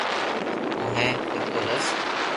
مون ھي پينتو بس